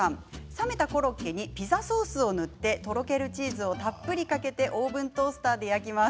冷めたコロッケにピザソースを塗ってとろけるチーズをたっぷりかけてオーブントースターで焼きます。